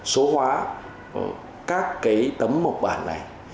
số hóa các tấm mộc bản này